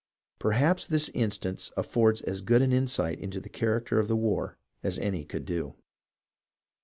Perhaps this instance affords as good an insight into the character of the war as any could do.